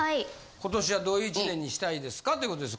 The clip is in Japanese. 今年はどういう１年にしたいですかということです。